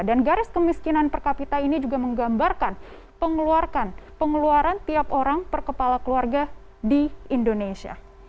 dan garis kemiskinan per kapita ini juga menggambarkan pengeluaran tiap orang per kepala keluarga di indonesia